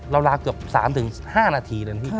ลาเกือบ๓๕นาทีเลยนะพี่